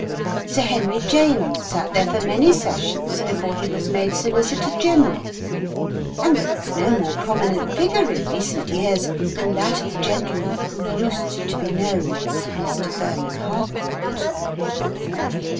Sir Henry James sat there for many Sessions before he was made Solicitor General, and there was no more prominent figure in recent years than that of the gentleman who used to be known as "Mr. Vernon Harcourt."